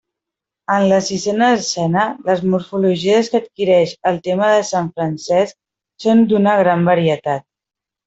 En la sisena escena, les morfologies que adquireix el tema de sant Francesc són d'una gran varietat.